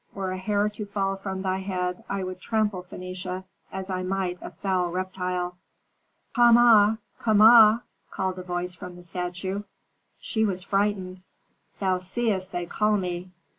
Were a hair to fall from thy head, I would trample Phœnicia as I might a foul reptile." "Kama! Kama!" called a voice from the statue. She was frightened. "Thou seest they call me.